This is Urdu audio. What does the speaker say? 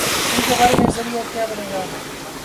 ان کے بارے میں ذریعہ کیا بنے گا؟